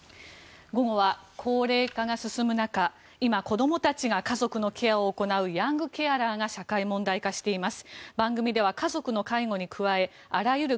午後は高齢化が進む中子どもたちが家族のケアを行うヤングケアラーが社会問題化しています。